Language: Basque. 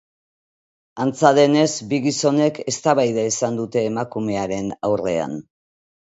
Antza denez, bi gizonek eztabaida izan dute emakumearen aurrean.